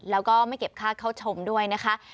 แล้วก็ไม่เก็บค่าเข้าชมด้วยนะคะ